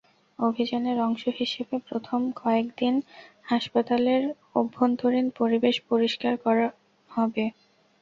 অভিযানের অংশ হিসেবে প্রথম কয়েক দিন হাসপাতালের অভ্যন্তরীণ পরিবেশ পরিষ্কার করা হবে।